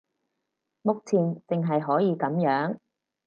目前淨係可以噉樣